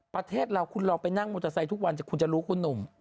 ประเทศเราคุณเราไปนั่งหมาวะสาสัยทุกวันคุณจะรู้คุณหนุ่ม